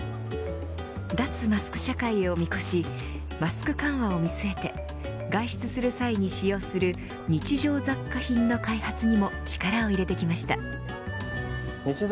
脱マスク社会を見越しマスク緩和を見据えて外出する際に使用する日常雑貨品の開発にも力を入れてきました。